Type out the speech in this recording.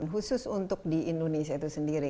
khusus untuk di indonesia itu sendiri